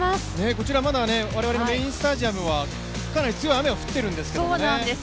こちら、メインスタジアムはかなり強い雨が降っているんですけどね。